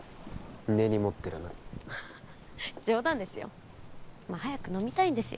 根に持ってるな冗談ですよまあ早く飲みたいんですよ